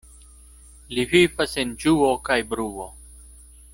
Li vivas en ĝuo kaj bruo.